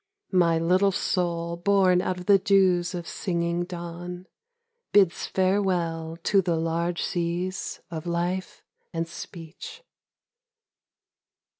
My little soul born out of the dews of singing dawn, Bids farewell to the large seas of Life and speech.